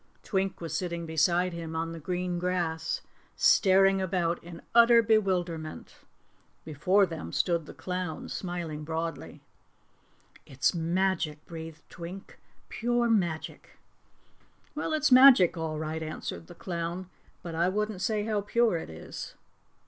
Twink was sitting beside him on the green grass, staring about in utter bewilderment. Before them stood the clown, smiling broadly. "It's magic," breathed Twink, "pure magic." "Well, it's magic, all right," answered the clown, "but I wouldn't say how pure it is."